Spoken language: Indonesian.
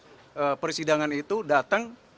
sebagai saksi di dalam persidangan itu datang